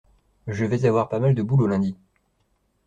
Je vais avoir pas mal de boulot lundi.